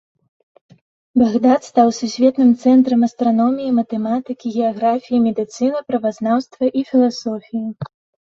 Багдад стаў сусветным цэнтрам астраноміі, матэматыкі, геаграфіі, медыцыны, правазнаўства і філасофіі.